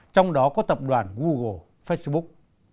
trong đó có tập đoàn google facebook